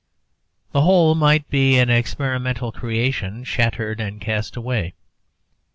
The whole might be an experimental creation shattered and cast away.